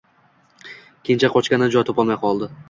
Kenja qochgani joy topolmay qoldi.